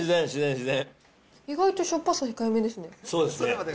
自然、意外としょっぱさ控えめですそうですね。